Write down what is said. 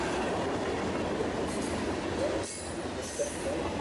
آپري گرو ني پرݾن ڪر